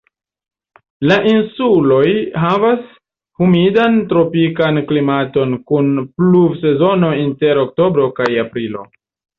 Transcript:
La insuloj havas humidan tropikan klimaton kun pluvsezono inter oktobro kaj aprilo.